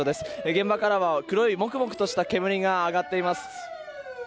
現場からは黒いもくもくとした煙が上がっています。